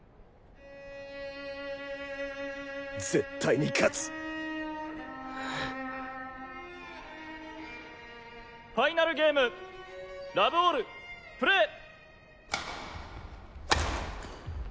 絶対に勝つ！ファイナルゲームラブオールプレー。